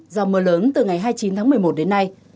do mưa lớn từ ngày hai mươi chín tháng một mươi một đến nay